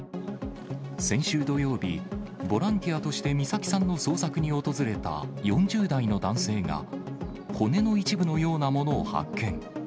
先週土曜日、ボランティアとして美咲さんの捜索に訪れた４０代の男性が、骨の一部のようなものを発見。